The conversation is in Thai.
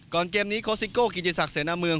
ก่อนเกมนี้โคสิโกกิจิศักดิ์เซนเมือง